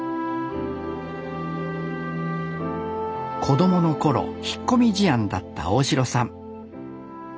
子供の頃引っ込み思案だった大城さん。